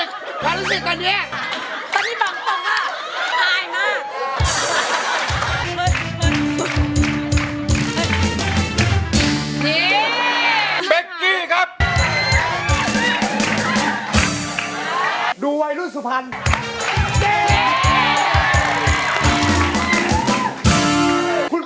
ความรู้สึกความรู้สึกตอนนี้